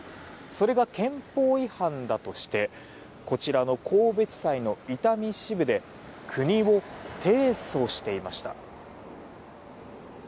それが、憲法違反だとしてこちらの神戸地裁の伊丹支部で国を提訴していました。